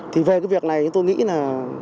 thì về cái việc này tôi nghĩ là